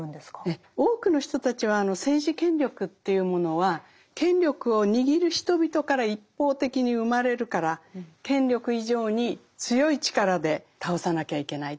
多くの人たちは政治権力というものは権力を握る人々から一方的に生まれるから権力以上に強い力で倒さなきゃいけないというふうに思うわけですね。